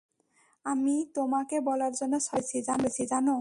আমি তোমাকে বলার জন্য ছটফট করেছি, জানো!